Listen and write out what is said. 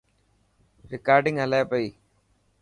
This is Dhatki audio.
رڪارڊنگ هلي پئي.